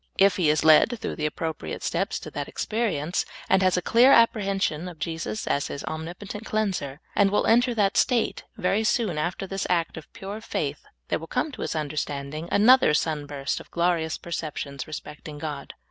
If he is led through the appropriate steps to that experience, and has a clear apprehension of Jesus as his omnipotent cleanser, and will enter that state, very soon after this act of pure faith there will come to his understanding another sun burst of glo rious perceptions respecting God.